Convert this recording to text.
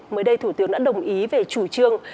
mới đây thủ tướng đã đồng ý về chủ trương